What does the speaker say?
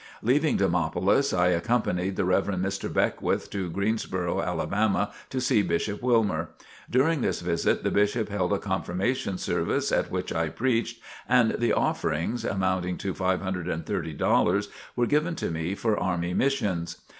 Leaving Demopolis, I accompanied the Rev. Mr. Beckwith to Greensboro, Alabama, to see Bishop Wilmer. During this visit the Bishop held a Confirmation service at which I preached and the offerings, amounting to $530, were given to me for army missions.